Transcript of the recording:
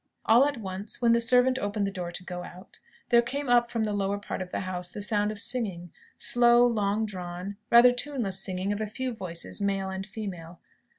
All at once, when the servant opened the door to go out, there came up from the lower part of the house the sound of singing; slow, long drawn, rather tuneless singing of a few voices, male and female.